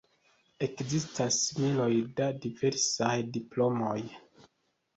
Ekzistas miloj da diversaj diplomoj.